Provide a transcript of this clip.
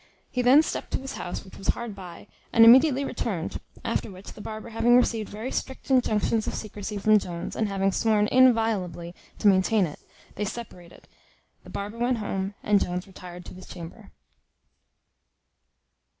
He then stepped to his house, which was hard by, and immediately returned; after which, the barber having received very strict injunctions of secrecy from Jones, and having sworn inviolably to maintain it, they separated; the barber went home, and Jones retired to his chamber.